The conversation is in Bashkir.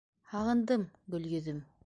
— Һағындым, Гөлйөҙөм.